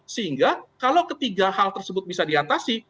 sehingga kalau ketiga hal tersebut bisa diatasi